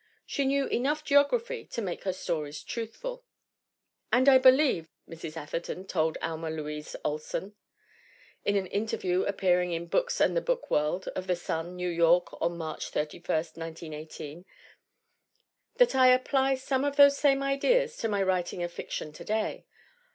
She knew enough geography to make her stories truthful. "And I believe," Mrs. Atherton told Alma Luise Olsen in an interview appearing in Books and the Book World of The Sun, New York, on March 31, 1918, "that I apply some of those same ideas to my writing of fiction to day.